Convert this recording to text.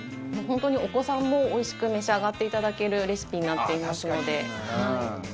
本当にお子さんもおいしく召し上がっていただけるレシピになっていますので。